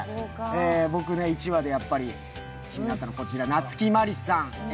僕、１話で気になったのはこちら夏木マリさん。